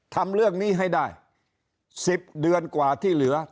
ทำเรื่องนี้ให้ได้๑๐เดือนกว่าที่เหลือ